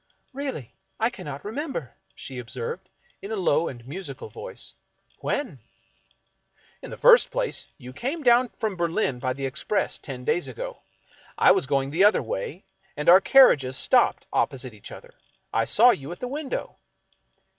" Really — I cannot remember," she observed, in a low and musical voice. " When ?"" In the first place, you came down from Berlin by the express ten days ago. I was going the other way, and our carriages stopped opposite each other. I saw you at the window."